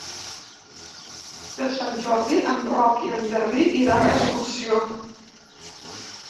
Per Sant Jordi en Roc i en Garbí iran d'excursió.